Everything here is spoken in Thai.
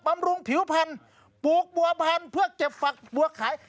ำรุงผิวพันธุ์ปลูกบัวพันธุ์เพื่อเก็บฝักบัวขาย